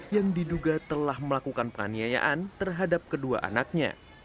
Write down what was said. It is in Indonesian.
yang diduga telah melakukan penganiayaan terhadap kedua anaknya